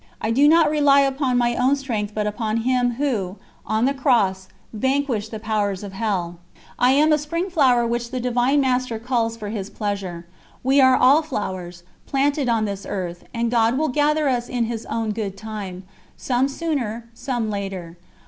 I do not rely upon my own strength but upon Him Who, on the Cross, vanquished the powers of hell. "I am a spring flower which the Divine Master culls for His pleasure. We are all flowers, planted on this earth, and God will gather us in His own good time some sooner, some later